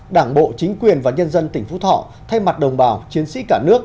đảng bộ chính quyền và nhân dân tỉnh phú thọ thay mặt đồng bào chiến sĩ cả nước